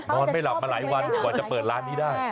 นอนไม่หลับมาหลายวันกว่าจะเปิดร้านนี้ได้